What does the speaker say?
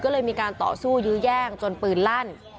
ก็เลยมีการต่อสู้ยื้อแย่งจนปืนลั่น